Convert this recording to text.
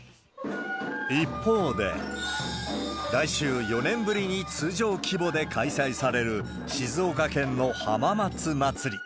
一方で、来週、４年ぶりに通常規模で開催される静岡県の浜松まつり。